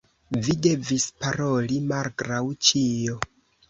Vi devis paroli malgraŭ ĉio.